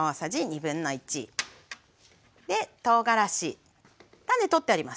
とうがらし種取ってあります